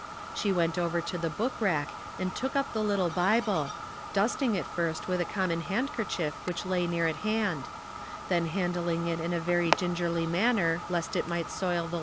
She. went over to the book rack and took up Ae" little Bible, dusting it first with a common handker chief which lay near at hand ; then handling it in a very gingerly manner lest it might soil the.